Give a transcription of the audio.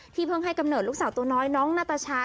เพิ่งให้กำเนิดลูกสาวตัวน้อยน้องนาตาชา